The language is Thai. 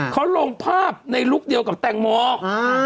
เขาลงภาพในลุคเดียวกับแตงโมอ่า